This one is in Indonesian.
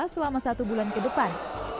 selama satu bulan ke depan